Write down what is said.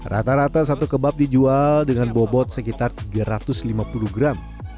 rata rata satu kebab dijual dengan bobot sekitar tiga ratus lima puluh gram